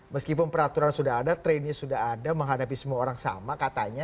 meskipun peraturan sudah ada trainnya sudah ada menghadapi semua orang sama katanya